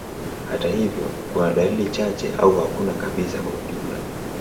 Hata hivyo, kuna dalili chache au hakuna kabisa kwa ujumla.